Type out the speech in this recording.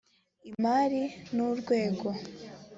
imari y’urwego